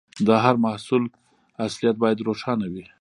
د هر محصول اصليت باید روښانه وي.